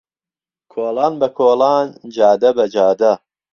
کۆڵان به کۆڵان جاده به جاده